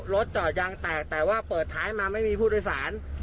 จอดยางแตกแต่ว่าเปิดท้ายมาไม่มีผู้โดยสาร